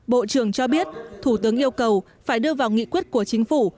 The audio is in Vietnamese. bộ trưởng cho biết thủ tướng yêu cầu phải đưa vào nghị quyết của chính phủ